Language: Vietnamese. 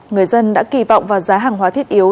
người dân đã kỳ vọng vào giá hàng hóa thiết yếu